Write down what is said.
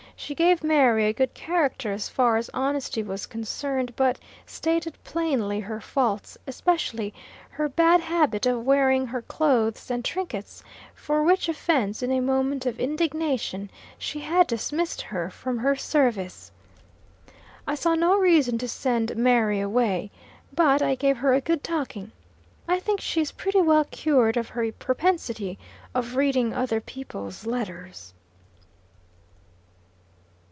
She gave Mary a good character, as far as honesty was concerned; but stated plainly her faults, especially her bad habit of wearing her clothes and trinkets, for which offence, in a moment of indignation, she had dismissed her from her service. I saw no reason to send Mary away. But I gave her a "good talking." I think she is pretty well cured of her propensity of reading other people's letters.